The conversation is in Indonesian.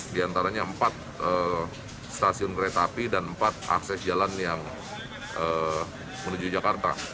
di antaranya empat stasiun kereta api dan empat akses jalan yang menuju jakarta